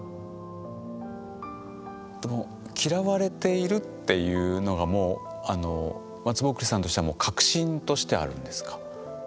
嫌われているっていうのがもうまつぼっくりさんとしてはもう確信としてあるんですか？